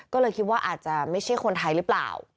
ก็เลยคิดว่าอาจจะไม่ใช่คนไทยหรือเปล่า